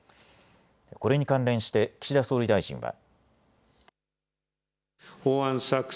これに関連して岸田総理大臣は。